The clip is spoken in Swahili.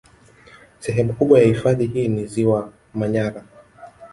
Sehemu kubwa ya hifadhi hii ni ziwa Manyara